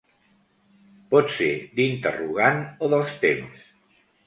Pot ser d'interrogant o dels temps.